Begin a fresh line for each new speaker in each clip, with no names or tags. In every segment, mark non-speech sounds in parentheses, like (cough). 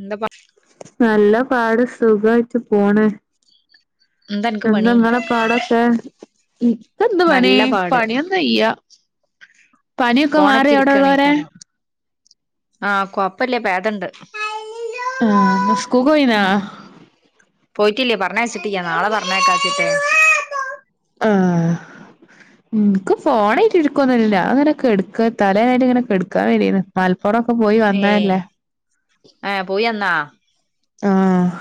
എന്തപ
നല്ല പാട് സുഖായിറ്റ് പോണ്.
എന്താ അനക്ക് പണി
എന്തങ്ങളെ പാടൊക്കെ ഇക്കെന്ത്
നല്ല പാട്
പണ്യോന്നുയ്യ. പനി ഒക്കെ മാറ്യോ അവ്ടെള്ളോരെ.
ഫോണച്ചിരിക്കണേക്കാരം ആഹ് കൊയ്പ്പല്ല പേതണ്ട്.
ആഹ് ന്ന് സ്കൂകോയീന്നാ.
പോയിട്ടില്ല്യ പറഞ്ഞയച്ചിട്ടിയ്യ നാളെ പറഞ്ഞേക്കാച്ചിട്ടേ.
ആഹ് ഇൻ ഫോണായിറ്റ് ഇരിക്കൊന്നുഅല്ല ഞാങ്ങനെ കെട്ക്ക തലേനായിട്ട് ഇങ്ങനെകെട്ക്കാൻ വെരേയ്ന്ന്. മലപ്പുറൊക്കെ പോയി
ഏഹ്
വന്നല്ലേ?
ഏഹ് പോയി വന്ന
ആഹ്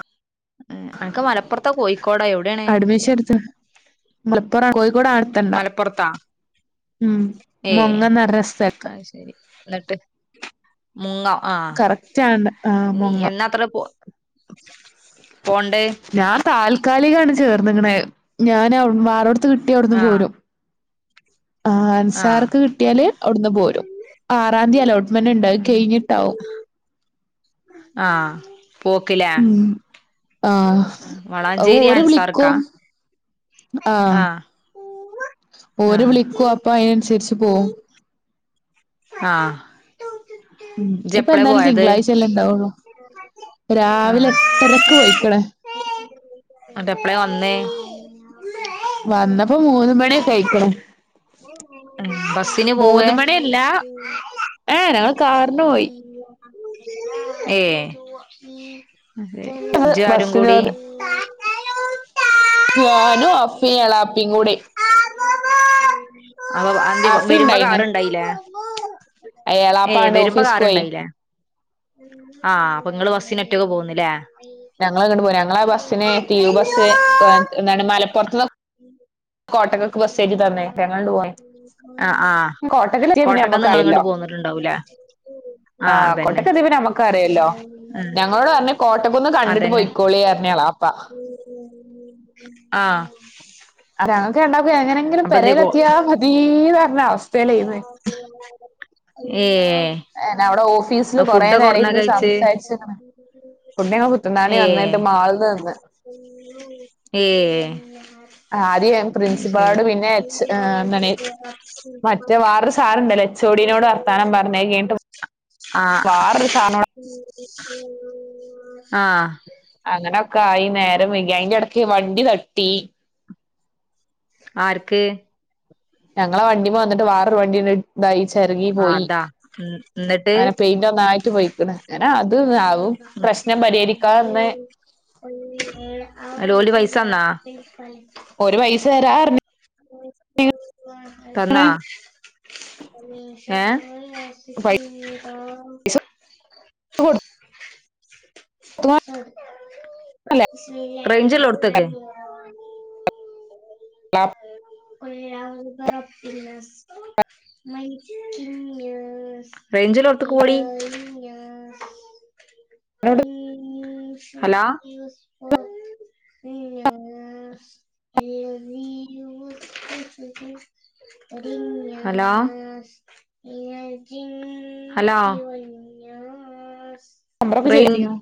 അന്ക്ക് മലപ്പൊറ്ത്തോ കോയിക്കോടോ എവ്ടേണ്.
വിശർത്ത് മലപ്പുറ കോയിക്കോ
മലപ്പൊറത്താ
ഉം മോങ്ങ്ന്ന് പറഞ്ഞസ്ഥൽത്ത്.
അയ് ശരി ന്നിട്ട് മുങ്ങ ആഹ്
കറക്റ്റ് ആണ് ആഹ്
ഞ്ഞി
മൊങ്ങം
എന്നാത്ര പോ പോണ്ടെ
ഞാൻ താൽക്കാലികാണ് ചേർന്ന്ക്ക്ണ് ഞാൻ വേറോട്ത്ത് കിട്ടി അവ്ട്ന്ന്
ആഹ്
പോരും ആഹ്
ആഹ്
അൻസാർക്ക് കിട്ട്യാല് അവ്ട്ന്ന് പോരും ആറാന്തി അലോട്ട്മെന്റ് ണ്ട് അത്
ഉം
കഴിഞ്ഞിട്ടാവും
ആഹ് പോക്ക്ലേ
ഉം ആഹ് അഹ്
വളാഞ്ചേരി
ഓര്
അൻസാർക്കാ
വിളിക്കും ആഹ് ഓര്
ആഹ്
വിളിക്കും അപ്പൊ അയിനന്സര്ച്ച് പോകും
ആഹ്
ഉമ് ഇപ്പൊ
ഇജ്ജെപ്പളെ
എന്തായാലും
പോയത്
തിങ്കളായ്ചല്ലേ ഇണ്ടാവുള്ളൂ രാവിലെ എട്ടരക്ക് പോയിക്ക്ണ്
ന്ന്ട്ട് എപ്പളെ വന്നേ
വന്നപ്പോ മൂന്ന് മണ്യൊക്കെ അയ്ക്ക്ണ്
ഉമ് ബസിന് പോവേ
മൂന്ന് മണിയല്ല ഏഹ് ങ്ങൾ കാർ
ഏഹ്
ഞങ്ങള്
ജ്ജും ആരും
ബസ്സിന്
കൂടി
പോയത്. ഞാനും അഫീ എളാപി കൂടി
അപ്പൊ അന്ത്യ വെരുമ്പോ കാറണ്ടായില്ലേ
എളാപ്പ ആണ്ട് ഓഫീസ്ക്ക് പോയി
കാറുണ്ടായില്ലേ ആഹ് അപ്പൊ ങ്ങള് ബസ്സിന് ഒറ്റക്ക് പോന്ന് ലേ
ഞങ്ങള് അങ്ങോട് പോ ഞങ്ങള് ആ ബസ്സിന് തീരു ബസ് എന്താണ് മലപ്പുറത്തന്ന്.
ഉമ് ഉമ്
കോട്ടക്കൊക്കെ ബസ് തന്നെ പ ഞങ്ങണ്ട് പോയി.
ആഹ് ആഹ്
കോട്ടക്കിലെത്തിയ പിന്നെ
കോട്ടക്കന്ന്
നമ്മക്ക് അറിയല്ലോ
നിങ്ങളങ്ങോട്ട് പോന്നിട്ടുണ്ടാവൂലേ?
ആഹ് കൊട്ടക്ക് എത്തിയ പിന്നെ നമുക്ക്- അതല്ലോ
ഉം
ഞങ്ങളോട് പറഞ്ഞ കോട്ടക്കൊന്ന് കണ്ടിട്ട്
അതന്നെ
പോയിക്കോളി പർഞ്ഞി എളാപ്പാ
ആഹ്
ഞങ്ങൾക്കു രണ്ടാകും എങ്ങനെങ്കിലും
അപ്പൊ എന്തേ കോ
പെരയിലെത്തിയാ മതി എന്ന് പറഞ്ഞാ അവസ്ഥല്ലെനി
ഏഹ്
അവിടെ ഓഫീസ്.
അ
കുറ
ഫുഡൊക്കെ
നേരം
എവിടുന്നാ
ഇന്ന്
കഴിച്ചേ
സംസാരിച്ചിക്ക്ണ് ഫുഡ് പുത്തണ്ടാണി
ഏഹ്
വന്നായിട്ട് മാൾന്ന് നിന്ന്.
ഏഹ്
ആദ്യം
അത് ശരി
പ്രിൻസിപ്പാട് പിന്നെ എച്ച് എന്താണ് മറ്റേ വാരു സാർ ഉണ്ടല്ലോ ചൊടിനോട് വർത്താനം പറഞ്ഞേ അഹ് കഴിഞ്ഞിട്.
ആഹ് ആഹ്
അങ്ങനൊക്കെ ആയി നേരം വൈകി അതിന്റെ ഇടക്ക് വണ്ടി തട്ടി.
ആര്ക്ക്?
ഞങ്ങളെ വണ്ടി മ വന്നിട്ട് വേറെയൊരു വണ്ടി- തൈ ചെറുകി
ആഹ്
പോയി
അതാ ഉം എന്നിട്ട്
അങ്ങനെ പെയിന്റ് ഒന്നായിട്ട് പോയിക്കണ് അങ്ങനെ അത് ആവും. പ്രശ്നം പരിഹരിക്കാ ന്ന്.
ഓല് പൈസ തന്നോ.
ഓര് പൈസ രാ പഞ്ഞി
തന്നോ ഏഹ്
പൈസ
ശശീത (inaudible)
കൊടുത്തുല്ലേ
റേഞ്ചുള്ളോട്ത്ത് നിക്
(unintelligible)
പററഫ് പിസ് (unintelligible) റേഞ്ചുള്ളോടുത്ത്ക് പോടി.
(unintelligible)
ഹലോ. അ (inaudible) ഹലോ. ഹലോ.
നമ്പറൊക്കെ ചോദിച്ചിരിന്നു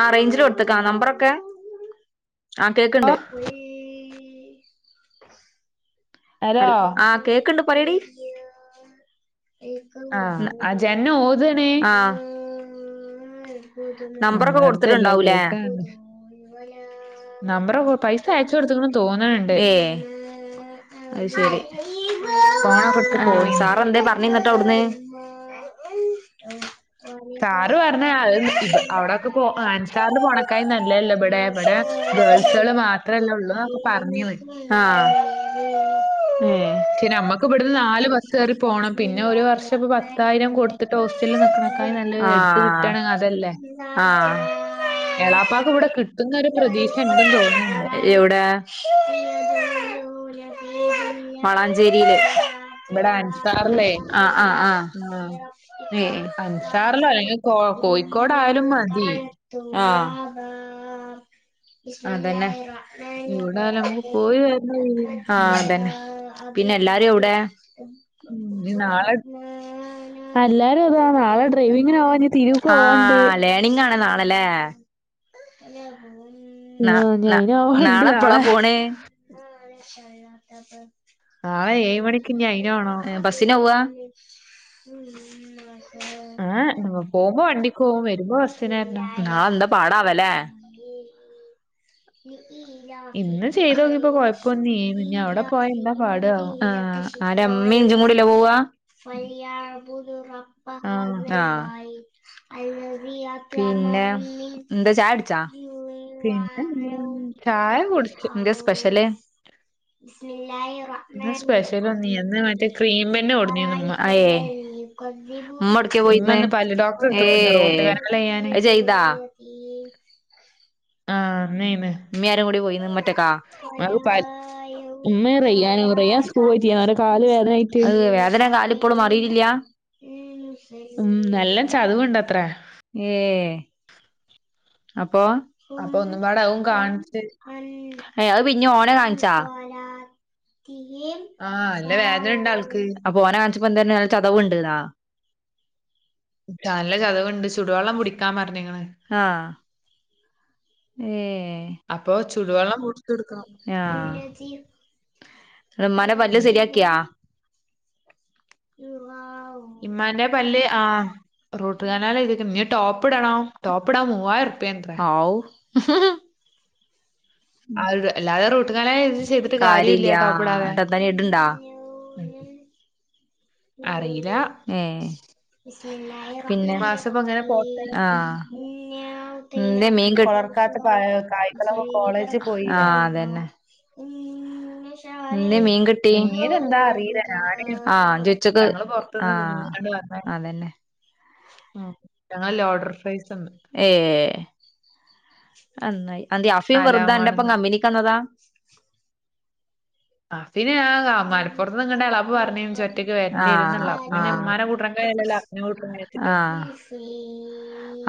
ആഹ് റേഞ്ചില് കൊടുത്തക്കാം നമ്പറൊക്കെ ആ കേക്കണ്ട്. (inaudible) ഹ
ഹലോ
ആ കേക്കണ്ട് പറടി.
ആഹ് ആ ജന്ന ഓതാണ്
ആഹ്
ആ
നമ്പറൊക്കെ
അതല്ല
കൊടുത്തിട്ടുണ്ടാവൂലേ.
നമ്പറെക്കെ പൈസ അയച്ച് കൊടുത്തക്കണന്ന് തോന്നണണ്ട്.
ഏ അത് ശരി
ഫോണൊക്കെ എടുത്ത്
ആഹ്
പോയിന്ന്.
സാറെ എന്ത് പ ഒന്ന് ഇങ്ങോട്ട് അവിടുന്ന്
സാറ് പറഞ്ഞ ആ അവിടെക്കെ പോ ആൻസാറിലെ പോണക്കായ നല്ലതാലേ ഇവിടെ. ഇവിടെ ഗേൾസുകള് മാത്രല്ലേ ഉള്ളൂ എന്നൊക്കെ പറഞ്ഞന്ന്.
ആഹ് ഏ
പക്ഷെ നമ്മുക്ക് ഇവിടുന്ന് നാലും ബസ് കയറി പോകണം. പിന്നെ ഒരു വർഷം പത്തായിരം കൊടുത്തിട്ട് ഹോസ്റ്റലിൽ നിക്കക്കണക്കായി നല്ല അടുത്ത്
ആഹ്
കിട്ടുണെങ്കിൽ അതല്ലേ.
ആഹ്
ഇളയപ്പാക്ക് ഇവിടെ കിട്ടുന്ന ഒരു പ്രതീക്ഷ ഇണ്ടുന്നു തോന്നണ്ട്.
എവിടെ വളാഞ്ചേരിയില്.
ഇവിടെ അൻസാറല്ലേ
ആഹ് ആഹ്
ആഹ്.
ഏഹ്
അൻസാറിലോ അല്ലെങ്കി കോ കോഴിക്കോടായാലും മതി.
ആഹ് അതന്നെ
എവിടായാലും നമുക്ക് പോയി വരണ രീതീല് ഉം
ആഹ് അതന്നെ. പിന്നെ എല്ലാരു എവടെ
ഉം നാളെ അല്ലാരും അതാ നാളെ ഡ്രൈവിങ്ങനെവനേ ഞി തിരുക്കോവാണ്ട്.
നിങ്ങാണ് നാളല്ലേ. ന
ആഹ് ഇനി
ന
അയിനോവാണ്ട്
നാളെപ്പളാ
നാളെ.
പോണേ. (unintelligible)
നാളെ ഏഴ് മണിക്ക് ഇഞ്ഞിയ് അയിന്നോണം.
ബസ്സിനോവ്വാ (unintelligible) (inaudible)
ഏഹ് പോവുമ്പം വണ്ടിക്ക് പോകും വരു
നാ എന്താപടാവല്ലേ
ഇന്ന് ചെയ്തോക്കിയപ്പോ കൊഴപ്പൊന്നുല്ലേനു ഇനി അവിടെ പോയാ എന്താ പാടാവോ.
അഹ് ആഹ് ആരാ ഉമ്മെ ഇജ്ജും കൂടി അല്ലെ പോവാ. ആഹ് പിന്നെ ന്താ ചായടിച്ച
പിന്നെ എന്താ, ചായ കുടിച്ച്.
എന്താ സ്പെഷ്യൽ?
ഇന്ന് സ്പെഷ്യലൊന്നും ഇല്ല ഇന്ന് മറ്റേ ക്രീം ബന്ന് കൊണ്ടുവന്നിരുന്നു ഉമ്മ.
അയെ മ്മ എവ്ട്ക്കെ
ഇമ്മ
പോയിർന്നെ
ഇന്ന് പല്ല് ഡോക്ടറെ അടുത്ത് കൊണ്ടുവന്നു റൂട്ട്
ഏഹ്
കനാല് ചെയ്യാന്.
ആയി ചെയ്താ.
ആഹ് (unintelligible)
ഉമ്മി ആരൂട്യോ പോയിര്ന്ന്. ഉമ്മഒറ്റക്ക
അത് പല്ല് ഉമ്മ റയ്യാന് റയ്യാൻ സ്കൂൾ പോയിട്ടില്ലേനോ ഓന്റെ കാല് വേദനായിട്ട്.
ആഹ് വേദന കാലിപ്പോളും മാറിട്ടില
ഉം നല്ല ചത്താവേടത്രേ
ഏ അപ്പൊ
അപ്പൊ ഒന്നുപാടെ അതും കാണേച്.
ഏഹ് പിന്നിം ഓനെ കൺച്ച.
ആ നല്ല വേദന ഉണ്ട് ആൾക്ക്
അപ്പോ ഓനെ കാണിച്ചപ്പോ ന്തെർഞ്ഞെ ചതവ്ണ്ട് ന്നോ
കാല് ന്ചതവ്ണ്ട് ചൂടുവെള്ളം പുടിക്കാൻ പർഞ്ഞ്ണ്
ആഹ് ഏഹ്
അപ്പൊ ചൂടുവെള്ളം പുട്
ങ്ങ്യാഹ് ന്ന് മ്മാനെ പല്ല്
ഉം.
ശരിയാക്കിയാ (inaudible)
ഇമാന്റെ പല്ല് ആഹ് റൂട്ട് കാനാലെയ്‌ത്ട്ട്ണ്ട് നി ടോപ്പ്ടണം. ടോപ്പ്ടാൻ മൂവാർപ്പ്യാണ് ത്രെ
ആവൂ ഹ് ഹ് ഹ്
ആ അ് അല്ലാതെ റൂട്ട് കനാൽ ചെയ്തിട്ട്
കാര്യല്ല
കാരീല്യ ടോപ്പ്ടാതെ
ന്നട്ട് എന്താ ഇനി ഇട്ണ്ടാ
ഉം അറിയില്ല
ഏ
ഈ
പിന്നെ
മാസം ഇപ്പൊ ഇങ്ങനെ പോട്ടെ
ആഹ്... ന്തെ മീ കിട്ട്
കൊളർക്കാത്ത കായ്കളൊക്കെ കോളേജിൽ പോയില്ലേ
ആഹ് അതന്നെ ന്തെ
ഉം.
മീൻ കിട്ടി,
മീൻ എന്താ അറിയില്ല ഞാന്
ആഹ് ജി ച്ചക്ക്
ഞങ്ങള് പുറത്തുനിന്ന്
ആഹ് അതന്നെ
ആ ഞങ്ങൾ ലോർഡർ ഫ്രൈസ്ന്ന്
ഏഹ് അന്നായി അന്തെ അഫിം അൻ്റെ പ്പം
അലാമാണെന്ന്
വെർതെ കമ്പിനിക്കന്നതാ
അ ഫിനെ ആ ആഹ മലപ്പുറത്ത് നിങ്ങണ്ടാ ളാപ്പപ് പറഞ്ഞേ ജ്‌ ഒറ്റയ്ക്ക് വരണ്ടി രും
ആഹ്
ന്ള്ള് അപ പിന്നെ ഉമ്മാനെ കൂട്ടാൻ കയൂ ലല്ല (inaudible)
ആഹ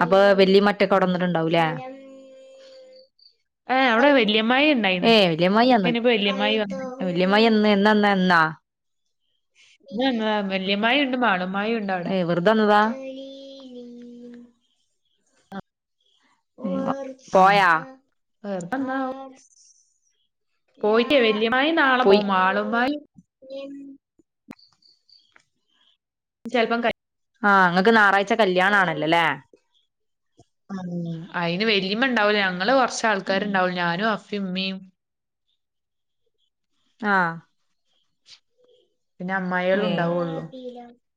അപ്പൊ വല്ലിമ്മ ഒറ്റക്കവിടെ നിന്നിട്ടുണ്ടാവൂലേ
ഏ അവിടെ വല്യമ്മായി ഉണ്ടായിന്ന്
ഏ വലിയമ്മായ് ന്ന്
ഇനിയിപ്പോ വല്യമ്മായി വന്നു
വല്യമായി ന്ന എന്നാ വന്നേ ഇന്നാ
വല്യമായി ഉണ്ട് മാളു മ്മായിണ്ട് അവിടെ
ഏ വെറുതെ ന്നത ഉ
ആവെറുതെന്നാവും പോയിട്ടേ വല്യമ്മായി നാളെ പോകും മാളുമ്മായി
ഉ
(inaudible)
ആഹ് ങ്ങക്ക് ഞായറാഴ്ച കല്യാണ ആണല്ലോല്ല
അയിന് വലിയമ്മ ഉണ്ടാവൂല ഞങ്ങള് കൊറച്ച ആൾക്കാരുണ്ടാവൂ ഞാനും അഫി ഉമ്മയും
ആഹ
പിന്നെ അമ്മായിയളും ണ്ടാവുള്ളു
(inaudible)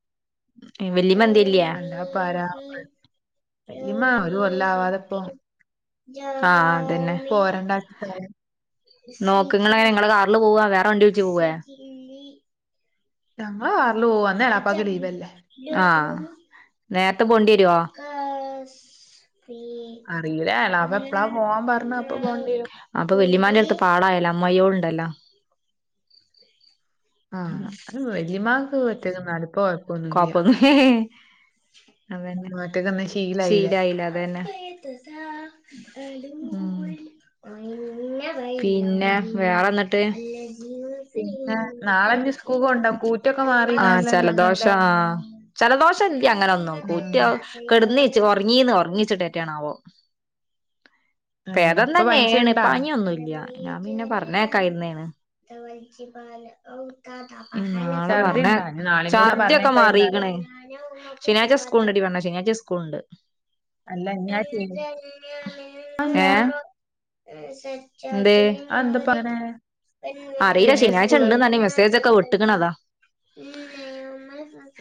വല്ലി മ്മന്തിഇല്ലയേ
അല്ലാ പരാ വല്ലിമ്മ ഒരു കൊല്ലാവാതെപ്പൊ
ആഹ് അതന്നെ
പോരണ്ടാ (unintelligible)
നോക്കങ്ങങ്ങളെ നിങ്ങളെ കാറിൽ പോവാ വേറെ വണ്ടി വിളിച്ചു പോവേ
ഞങ്ങള കാർല് പോ
(inaudible) ആഹ നേരത്തെ പോണ്ടി വരുവോ
അറിയിലാ എളാപ്പ എപ്പളാ പോവാൻ പറഞ്ഞു അപ്പൊ പോവേണ്ടി വരും
അപ്പൊ വല്യമാന്റെ അടുത്തിപ്പോ ആളായല്ലോ അമ്മായിയോൾ ഉണ്ടല്ലോ
ആഹ അത് വല്യമ്മാക്ക് ഒറ്റക്ക്‌ ന്നാ ലും പ്പ കൊയ്പല്ല
കൊപ്പൊന്ന
ഒറ്റക്ക്ന്ന് ശീലായില്ലേ
ശീലായില്ല അത തന്നെ ഉം
ഉം
പിന്നെ വേറെ ന്നിട്ട്
പിന്നെ നാളെ ഇഞ്ഞ് സ്കൂൾക്ക് കൊണ്ടോ കൂറ്റൊക്കെ
ആഹ്
മാറിക്ക്ണല്ലോ
ചലദോഷ്
ജനലിന്റെ
ആ ചലദോഷം ഇല്ല്യ അങ്ങനെൊന്നും
ഉം
കൂറ്റിയ കിടന്നീച്ച് ഉറങ്ങീന്ന് ഉറങ്ങിച്ചിട്ടേറ്റണാവോ
ഏഹ്
പേദം
ഇപ്പൊ
തന്നേണ്
പനിച്ച്ണ്ടാ
പനിയൊന്നുല്ല ഞാൻ പിന്നെ പറഞ്ഞേക്കരുന്നാണ് ഉം നാളെ
ഛർദി
പറഞ്ഞേ
ഇണ്ടാ ഇഞ്ഞ് നാളീം കൂടെ
ചാറ്
പറഞ്ഞേക്കായിരുന്നാല്
ശനിയാഴ്ച സ്കൂള്ണ്ടടി പെണ്ണെ ശനിയാഴ്ച സ്കൂൾ ഉണ്ട്
അല്ല ഇഞ്ഞ് ആ ശനി അതെന്താ
ഏഹ് എന്തേ
അതെന്താപ്പ അങ്ങനെ
അറീല്ല
ശനിയാഴ്ച
ശനിയാഴ്ച്ച
സ്കൂള്
ഉണ്ടന്നാണ് മെസ്സേജ ഒക്കെ വിട്ടക്കണതാ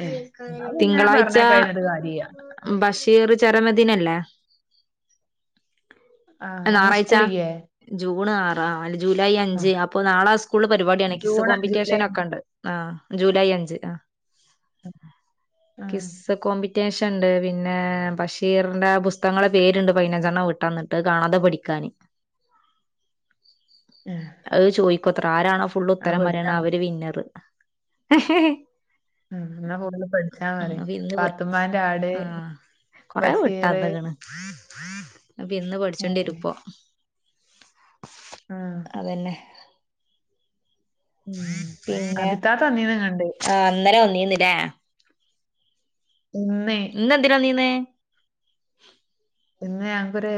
ഏഹ് എന്നാ പിന്നെ
തിങ്കളാഴ്ച
പറഞ്ഞേക്കായിരുന്നിട്ട് കാര്യല്ല
ബഷീർ ചരമദിനല്ലേ
ആഹ് അന്ന് സ്കൂളില്ലേ
ജൂൺ ആറാ അല്ല ജൂലൈ അഞ്ച്
ആഹ്
അപ്പൊ നാളെ ആ സ്കൂളില് പരിപാടിയാണ് കിസ്
ജൂണ് ജൂലൈ
കോമ്പറ്റീഷനൊക്കെ ഉണ്ട് ആഹ് ജൂലൈ അഞ്ച് ആഹ്
(inaudible)
കിസ് കോമ്പിറ്റീഷൻ ഉണ്ട് പിന്നെ ബഷീറിന്റെ പുസ്തകങ്ങളുടെ പേരുണ്ട് പതിനഞ്ചെണ്ണം വിട്ടന്ന് ട്ട് അത് കാണാതെ പഠിക്കാന്
ഉം
അത് ചോദിക്കോത്രെ ആരാണോ ഫുള്ള് ഉത്തരം പറയണേ അവര് വിന്നറ്
ഉം ന്നാ ഫുള്ള് പഠിച്ചാൻ
ഉം
പറയ്
അപ്പൊ
പാത്തുമ്മാന്റെ ആട്
കൊറേ
ബഷീറ്
വിട്ടെന്നക്കണ് അപ്പൊ ഇന്ന്
ഉം.
പഠിച്ചെണ്ടിയേരും ഇപ്പൊ
ഉം.
അതന്നെ
ഉം
പിന്നെ
അബിത്താത്ത വന്നിനെ കണ്ട്
ആഹ് ഇന്നലെ വന്നീന്ന് ലെ
ഇന്ന്
ഇന്നെന്തിനാ വന്നീന്നെ
ഇന്ന് ഞങ്ക്കൊരു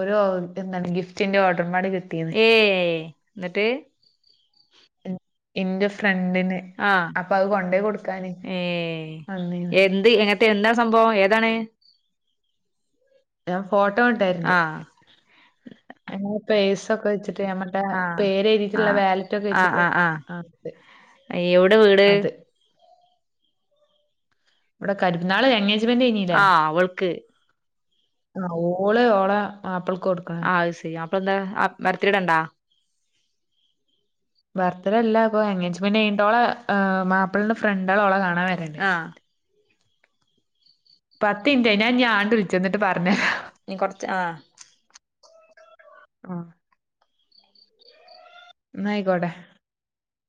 ഒരു എന്താണ് ഗിഫ്റ്റിന്റെ ഓർഡറുംമ്പാടെ കി
ഏഹ് ന്നട്ട്
ഇൻ ഇന്റെ ഫ്രണ്ടിന്
ആഹ്
അപ്പൊ അത് കൊണ്ടേ കൊടുക്കാന്
ഏഹ്
അന്നീന്ന്
എന്ത് എപ്പ് തെന്താണ് സംഭവം ഏതാണ്
ഞാൻ ഫോട്ടോ വിട്ടേരെണ്ട്
ആഹ്
ഞങ്ങള് പെയ്സൊക്കെ വെച്ചിട്ട് ഞമ്മള് ടെ
ആഹ്
പേര് എഴുതിട്ടുള്ള
ആഹ്
വാലറ്റ് ഒക്കെ
ആഹ്
വെച്ചിട്ട്
ആഹ്
ആഹ് അത്
എവിടെ വീട്
അത് ഇവിടെ കരു ന്നാള് എൻഗേജ്മെന്റ് കഴ്ഞ്ഞീല്ലേ
ആഹ് അവൾക്ക്
ആഹ് ഓള് ഓളെ മാപ്പിളക്കൊട്
ആഹ് അയ്സരി അപ്പൊ ന്താ ബർത്ത്ഡേ ണ്ടാ
ബർത്ത് ഡേ അല്ല അപ്പൊ എൻഗേജ്മെന്റെയിഞ്ഞിട്ട് ഓളെ മാപ്പിളന്റെ ഫ്രണ്ടാള് ഓളെ കാണാന് വ
ആഹ്
പത്തിൻറ്റായി ഞാൻഞ്ഞി ആംഗ്ട്ട് വിളിച്ച ന്നിട്ട് പറഞ്ഞഹ
ഇൻ കൊറച് ആഹ്
ആഹ് ന്നായിക്കോട്ടെ